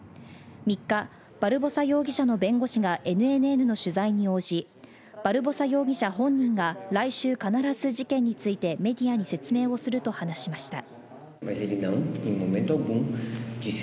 ３日、バルボサ容疑者の弁護士がＮＮＮの取材に応じ、バルボサ容疑者本人が来週必ず事件についてメディアに説明すると話しました。